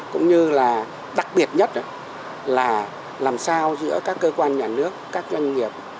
cũng như là đặc biệt nhất là làm sao giữa các cơ quan nhà nước các doanh nghiệp